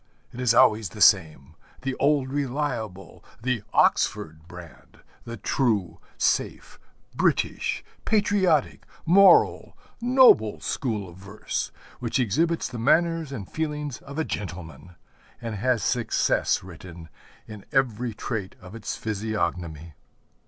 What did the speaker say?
It is always the same, the 'old reliable,' the Oxford brand, the true, safe, British, patriotic, moral, noble school of verse; which exhibits the manners and feelings of a gentleman, and has success written in every trait of its physiognomy.